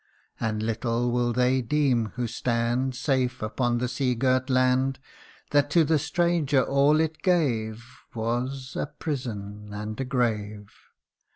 And little will they deem, who stand Safe upon the sea girt land, That to the stranger all it gave Was a prison and a grave ! THE CAPTIVE PIRATE.